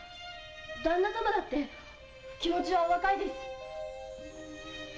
だんな様だって気持はお若いです。